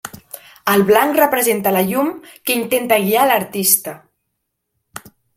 El blanc representa la llum que intenta guiar a l'artista.